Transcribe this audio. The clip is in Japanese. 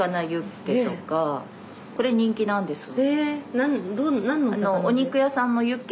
これ人気なんです。